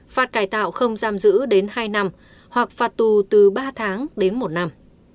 phạt cải tạo không giam giữ đến hai năm hoặc phạt tù từ ba tháng đến một năm